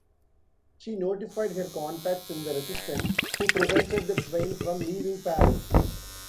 She notified her contacts in the Resistance, who prevented the train from leaving Paris.